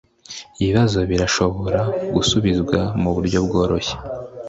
ibi bibazo birashobora gusubizwa muburyo bworoshye